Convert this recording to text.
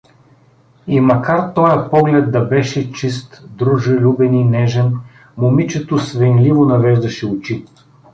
И макар тоя поглед да беше чист, дружелюбен и нежен, момичето свенливо навеждаше очи.